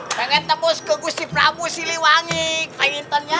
banget tembus ke gusti prabowo siliwangi kain intonnya